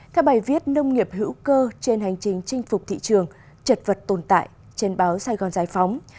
theo bài viết nông nghiệp hữu cơ trên hành trình chinh phục thị trường chật vật tồn tại trên báo sài gòn giải phóng